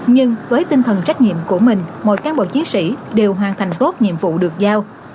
nhưng với tinh thần trách nhiệm của mình mỗi cán bộ chiến sĩ đều hoàn thành tốt nhiệm vụ được giao